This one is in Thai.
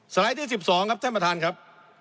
ไลด์ที่๑๒ครับท่านประธานครับ